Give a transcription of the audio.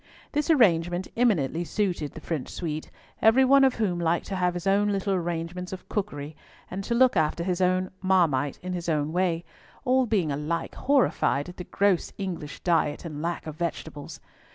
This arrangement eminently suited the French suite, every one of whom liked to have his own little arrangements of cookery, and to look after his own marmite in his own way, all being alike horrified at the gross English diet and lack of vegetables.